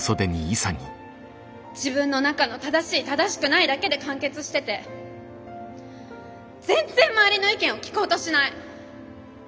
自分の中の正しい正しくないだけで完結してて全然周りの意見を聞こうとしない！